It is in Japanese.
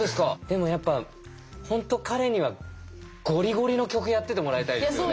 でもやっぱ本当彼にはゴリゴリの曲やっててもらいたいですね。